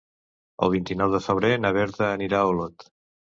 El vint-i-nou de febrer na Berta anirà a Olot.